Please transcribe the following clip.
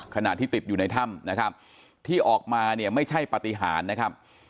ขณะที่ติดอยู่ในถ้ำนะครับที่ออกมาเนี่ยไม่ใช่ปฏิหารนะครับ